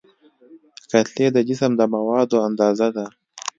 کتلې د جسم د موادو اندازه ده.